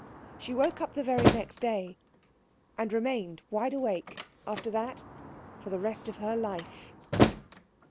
She woke up the very next day, and remained wide awake after that for the rest of her life.